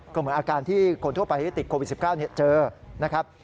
ก็เหมือนอาการที่คนทั่วไปที่ติดโควิด๑๙เจอนะครับ